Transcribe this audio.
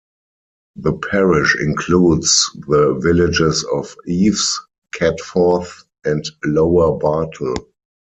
The parish includes the villages of Eaves, Catforth and Lower Bartle.